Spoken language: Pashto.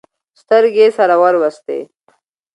سترګې يې سره ور وستې.